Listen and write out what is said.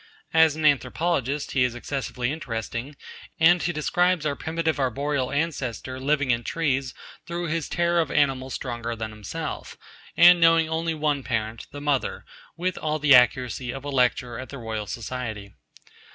As an anthropologist he is excessively interesting, and he describes our primitive arboreal ancestor living in trees through his terror of animals stronger than himself, and knowing only one parent, the mother, with all the accuracy of a lecturer at the Royal Society.